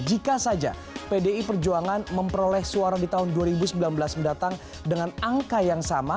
jika saja pdi perjuangan memperoleh suara di tahun dua ribu sembilan belas mendatang dengan angka yang sama